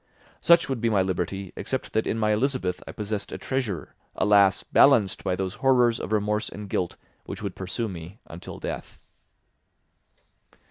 Such would be my liberty except that in my Elizabeth I possessed a treasure, alas, balanced by those horrors of remorse and guilt which would pursue me until death.